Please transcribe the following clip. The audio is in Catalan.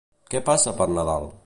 Què passa per Nadal?